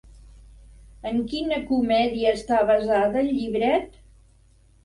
En quina comèdia està basada el llibret?